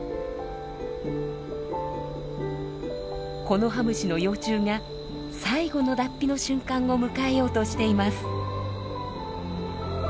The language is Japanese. コノハムシの幼虫が最後の脱皮の瞬間を迎えようとしています。